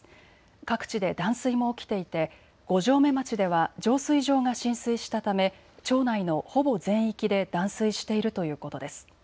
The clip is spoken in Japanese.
各地で断水も起きていて五城目町では浄水場が浸水したため町内のほぼ全域で断水しているということです。